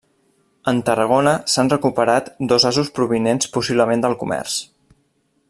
En Tarragona s'han recuperat dos asos provinents possiblement del comerç.